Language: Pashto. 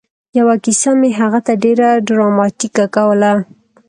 یوه کیسه مې هغه ته ډېره ډراماتيکه کوله